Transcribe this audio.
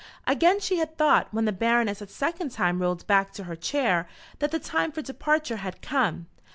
Again she had thought, when the Baroness a second time rolled back to her chair, that the time for departure had come.